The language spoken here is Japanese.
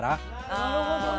なるほどね。